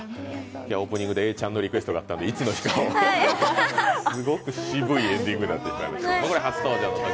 今日オープニングで永ちゃんのリクエストがあったんで、すごく渋いエンディングになってきましたけど。